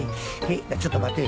ちょっと待て。